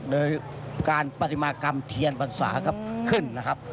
โดยการปฏิมากรรมเทียนพรรษาครับขึ้นนะครับ